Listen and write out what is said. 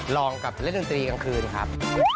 รองกับไปเล่นตีนกลางคืนครับ